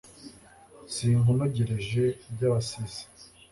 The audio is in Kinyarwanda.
sinkunogereje by' abasizi